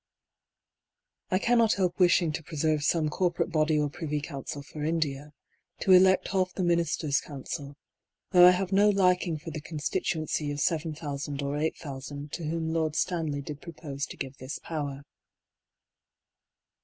I cannot help wishing to preserve some Corporate Body or Privy Council for India, to elect half the Ministers'Council, though I have no liking for the constituency of 7,000 or 8,000 to whom Lord Stanley did propose to give this power.